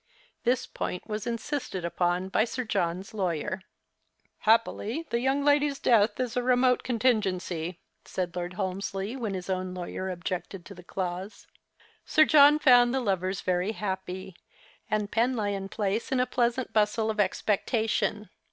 This point was insisted upon by Sir John's lawyer. 70 The Christmas Hirelings. " HapjDily the young lady's death is a remote con tingency," said Lord Holmsley, when his own lawyer objected to the clause. Sir John found the lovers very happy, and Penlyon Place in a pleasant bustle of expectation.